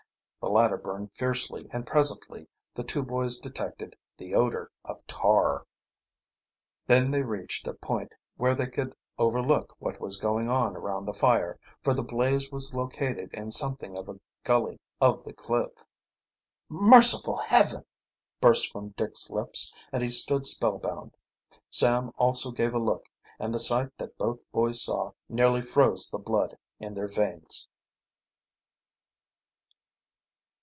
The latter burned fiercely, and presently the two boys detected the odor of tar. Then they reached a point where they could overlook what was going on around the fire, for the blaze was located in something of a gully of the cliff. "Merciful heaven!" burst from Dick's lips, and he stood spellbound. Sam also gave a look, and the sight that both boys saw nearly froze the blood in their veins.